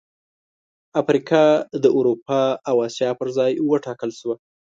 افریقا د اروپا او اسیا پر ځای وټاکل شوه.